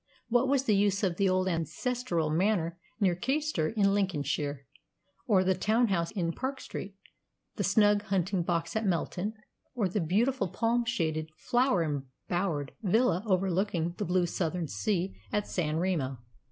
What was the use of the old ancestral manor near Caistor in Lincolnshire, or the town house in Park Street, the snug hunting box at Melton, or the beautiful palm shaded, flower embowered villa overlooking the blue southern sea at San Remo?